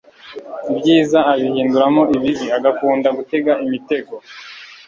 ibyiza abihinduramo ibibi, agakunda gutega imitego